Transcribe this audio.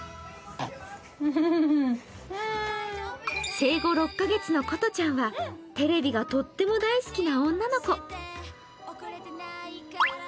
生後６カ月のことちゃんはテレビがとっても大好きな女の子。